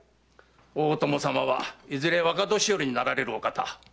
大友様はいずれ若年寄になられるお方。